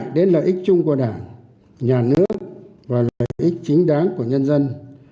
đến lợi ích chung của đảng nhà nước và lợi ích chính đáng của nhân dân